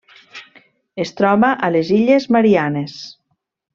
Es troba a les Illes Mariannes.